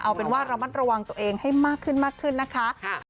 เอาเป็นว่าเรามาระวังตัวเองให้มากขึ้นนะคะ